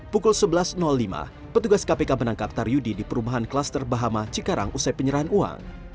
pukul sebelas lima petugas kpk menangkap taryudi di perumahan klaster bahama cikarang usai penyerahan uang